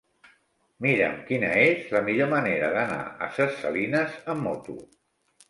Mira'm quina és la millor manera d'anar a Ses Salines amb moto.